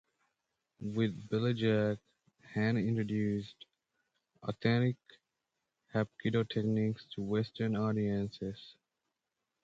With "Billy Jack," Han introduced authentic hapkido techniques to Western audiences.